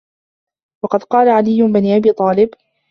وَقَدْ قَالَ عَلِيُّ بْنُ أَبِي طَالِبٍ